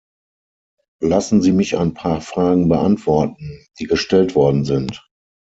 Lassen Sie mich ein paar Fragen beantworten, die gestellt worden sind.